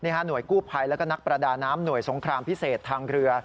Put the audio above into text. หน่วยกู้ภัยแล้วก็นักประดาน้ำหน่วยสงครามพิเศษทางเรือ